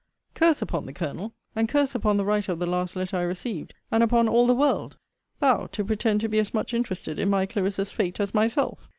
Curse upon the Colonel, and curse upon the writer of the last letter I received, and upon all the world! Thou to pretend to be as much interested in my Clarissa's fate as myself!